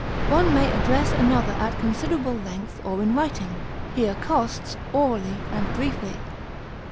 One may address another at considerable length or in writing; he accosts orally and briefly.